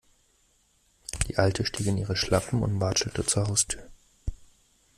Die Alte stieg in ihre Schlappen und watschelte zur Haustür.